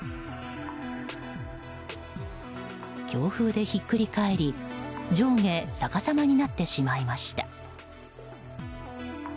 強風でひっくり返り上下逆さまになってしまいました。